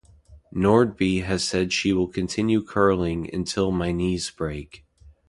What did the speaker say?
Nordby has said she will continue curling until "my knees break".